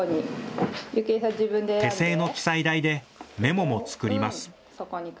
手製の記載台でメモも作ります。